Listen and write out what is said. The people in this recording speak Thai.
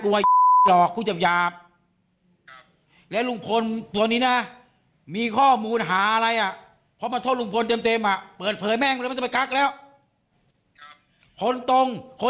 คนตรงคนดีลุงพลไม่ได้ไปมาหรอก